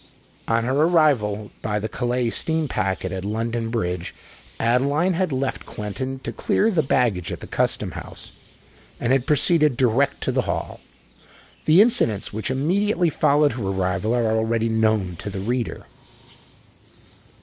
On her arrival, by the Calais steam packet, at London Bridge, Adeline had left Quentin to clear the baggage at the Custom House, and had proceeded direct to the Hall. The incidents which immediately followed her arrival are already known to the reader.